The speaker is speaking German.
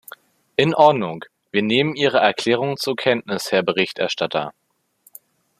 In Ordnung, wir nehmen Ihre Erklärung zur Kenntnis, Herr Berichterstatter.